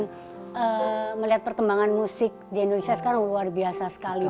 dan melihat perkembangan musik di indonesia sekarang luar biasa sekali